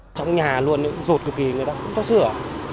trong nhà luôn rột cực kỳ người ta cũng có sửa